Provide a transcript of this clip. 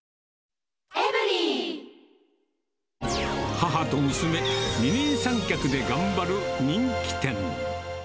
母と娘、二人三脚で頑張る人気店。